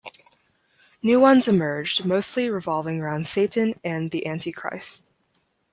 New ones emerged, mostly revolving around Satan and the Antichrist.